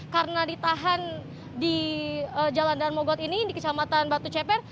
karena ditahan di jalan dan mogot ini di kecamatan batu ceper